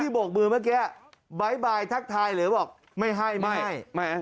โบกมือเมื่อกี้บ๊ายบายทักทายหรือบอกไม่ให้ไม่ไม่